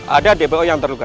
ada dbo yang terluka